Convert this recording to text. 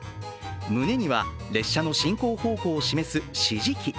胸には列車の進行方向を示す指示器。